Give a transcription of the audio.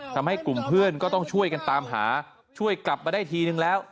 ทำให้กลุ่มเพื่อนก็ต้องช่วยกันตามหาช่วยกลับมาได้ทีนึงแล้ว